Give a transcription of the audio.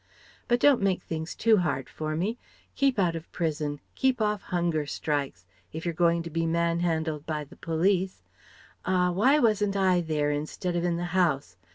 But don't make things too hard for me. Keep out of prison ... keep off hunger strikes If you're going to be man handled by the police Ah! why wasn't I there, instead of in the House?